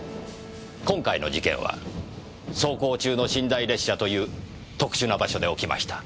今回の事件は走行中の寝台列車という特殊な場所で起きました。